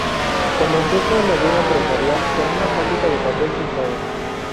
Comenzó su andadura empresarial con una fábrica de papel pintado.